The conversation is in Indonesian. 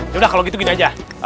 yaudah kalau gitu gini aja